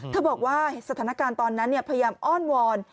บอกว่าสถานการณ์ตอนนั้นพยายามอ้อนวอน